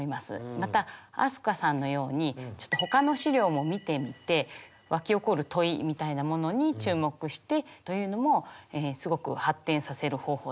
また飛鳥さんのようにちょっと他の資料も見てみてわき起こる問いみたいなものに注目してというのもすごく発展させる方法だと思います。